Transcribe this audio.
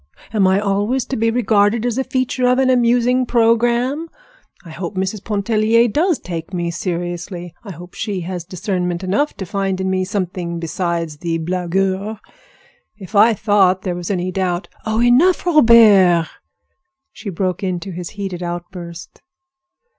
Am I always to be regarded as a feature of an amusing programme? I hope Mrs. Pontellier does take me seriously. I hope she has discernment enough to find in me something besides the blagueur. If I thought there was any doubt—" "Oh, enough, Robert!" she broke into his heated outburst.